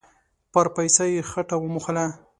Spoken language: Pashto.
پر پايڅه يې خټه و موښله.